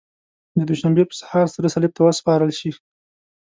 د دوشنبې په سهار سره صلیب ته وسپارل شي.